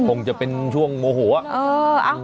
คงจะเป็นช่วงโมโห